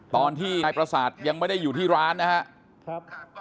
ตอนที่นายประสาทยังไม่ได้อยู่ที่ร้านนะครับ